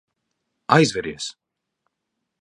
Aizveries.